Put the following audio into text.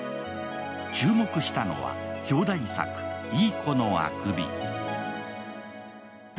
注目したのは、表題作「いい子のあくび」。